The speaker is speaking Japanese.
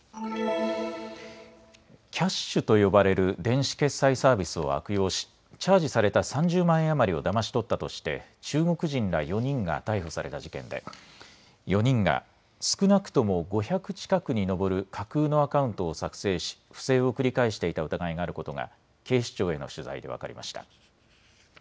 Ｋｙａｓｈと呼ばれる電子決済サービスを悪用しチャージされた３０万円余りをだまし取ったとして中国人ら４人が逮捕された事件で４人が少なくとも５００近くに上る架空のアカウントを作成し不正を繰り返していた疑いがあることが警視庁への取材で分かりました。